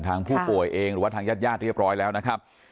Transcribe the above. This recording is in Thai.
ทางผู้ป่วยเองหรือว่าทางญาติญาติเรียบร้อยแล้วนะครับ